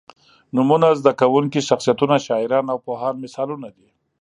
نومونه، زده کوونکي، شخصیتونه، شاعران او پوهان مثالونه دي.